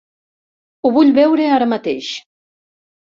Ho vull veure ara mateix!